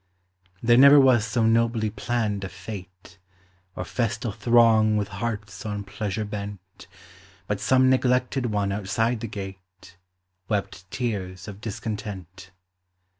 There never was so nobly planned a fête, Or festal throng with hearts on pleasure bent, But some neglected one outside the gate Wept tears of discontent.